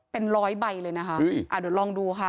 เป็นร้อยใบเลยนะคะเดี๋ยวลองดูค่ะ